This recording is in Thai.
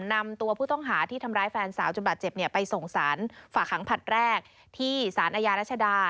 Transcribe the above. นำตัวผู้ต้องหาที่ทำร้ายแฟนสาวจนบาดเจ็บไปส่งสารฝากหางผัดแรกที่สารอาญารัชดา